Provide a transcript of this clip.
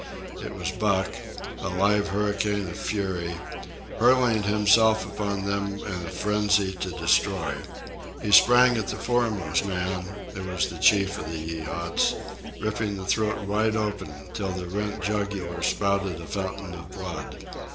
It was Buck, a live hurricane of fury, hurling himself upon them in a frenzy to destroy. He sprang at the foremost man (it was the chief of the Yeehats), ripping the throat wide open till the rent jugular spouted a fountain of blood.